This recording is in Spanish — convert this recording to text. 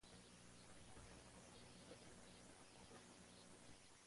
La Fuerza de Submarinos se encuentra sin submarinos operativos.